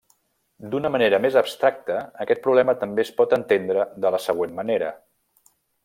D'una manera més abstracta aquest problema també es pot entendre de la següent manera.